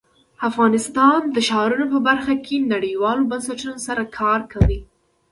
افغانستان د ښارونه په برخه کې نړیوالو بنسټونو سره کار کوي.